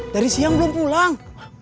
dari siang belum pulang